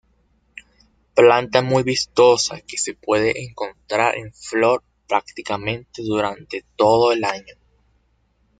Planta muy vistosa, que se puede encontrar en flor prácticamente durante todo el año.